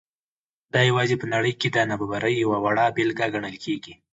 دا یوازې په نړۍ کې د نابرابرۍ یوه وړه بېلګه ګڼل کېږي.